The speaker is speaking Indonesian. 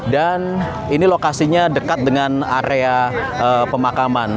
dan ini lokasinya dekat dengan area pemakaman